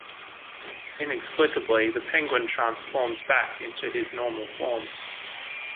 Inexplicably the Penguin transforms back into his normal form.